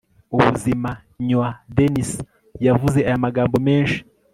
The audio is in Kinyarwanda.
ubuzima. nywa. dennis yavuze aya magambo menshi